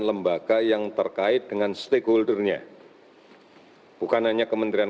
karena protokol ini dibuat bersama sama lintas kementerian